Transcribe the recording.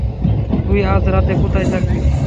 তুই আজ রাতে কোথায় থাকবি?